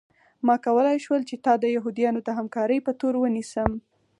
ما کولی شول چې تا د یهودانو د همکارۍ په تور ونیسم